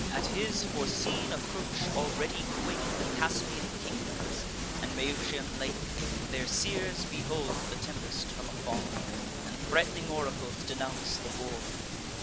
At his foreseen approach, already quake The Caspian kingdoms and Maeotian lake: Their seers behold the tempest from afar, And threat'ning oracles denounce the war.